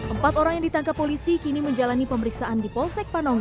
empat orang yang ditangkap polisi kini menjalani pemeriksaan di polsek panongka